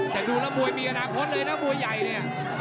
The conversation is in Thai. แต่ดูแล้วมวยมีอนาคตเลยนะมวยใหญ่เนี่ย